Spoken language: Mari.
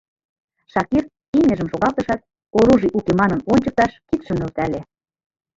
Шакир имньыжым шогалтышат, оружий уке манын ончыкташ, кидшым нӧлтале.